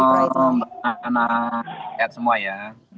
pak andi prayudi pak anak anak sehat semua ya